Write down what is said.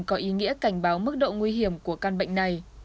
có ý nghĩa cảnh báo mức độ nguy hiểm của căn bệnh này